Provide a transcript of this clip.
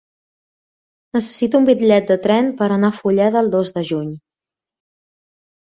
Necessito un bitllet de tren per anar a Fulleda el dos de juny.